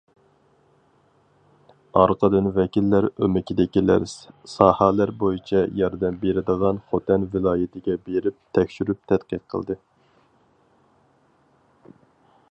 ئارقىدىن ۋەكىللەر ئۆمىكىدىكىلەر ساھەلەر بويىچە ياردەم بېرىدىغان خوتەن ۋىلايىتىگە بېرىپ تەكشۈرۈپ تەتقىق قىلدى.